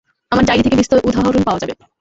আমার ডায়রি থেকে বিস্তর উদাহরণ পাওয়া যাবে।